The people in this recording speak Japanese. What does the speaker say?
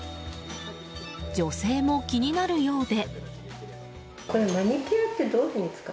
女性も気になるようで。